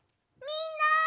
みんな！